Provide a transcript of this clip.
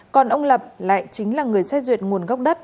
còn ông lập lại chính là người xét duyệt nguồn gốc đất